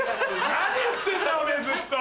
何言ってんだおめぇずっと！